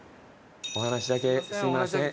お話だけすみません。